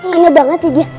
kena banget ya dia